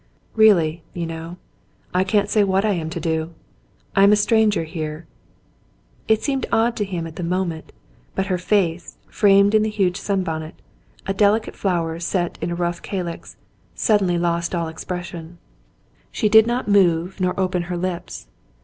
" Really, you know, I can't say what I am to do. I'm a stranger here —" It seemed odd to him at the moment, but her face, framed in the huge sunbonnet, — a delicate flower set in a rough calyx, — suddenly lost all expression. She David Thryng Arrives 5 did not move nor open her lips.